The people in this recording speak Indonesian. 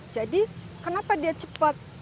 jadi kenapa dia cepat